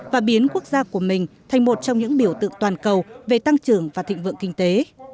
và biến quốc gia của mình thành một trong những biểu tượng toàn cầu về tăng trưởng và thịnh vượng kinh tế